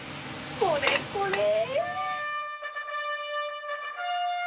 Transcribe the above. これこれ！